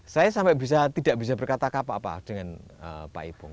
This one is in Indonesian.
saya sampai tidak bisa berkata apa apa dengan pak ipung